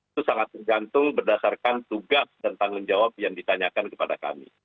itu sangat tergantung berdasarkan tugas dan tanggung jawab yang ditanyakan kepada kami